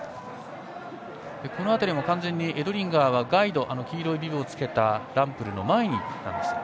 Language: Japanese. この辺りも、完全にエドリンガーは、ガイドの黄色いビブをつけたランプルの前に行きました。